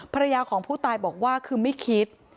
ภรรยาของผู้ตายบอกว่าคือไม่คิด